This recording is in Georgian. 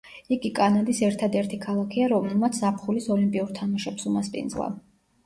იგი კანადის ერთადერთი ქალაქია, რომელმაც ზაფხულის ოლიმპიურ თამაშებს უმასპინძლა.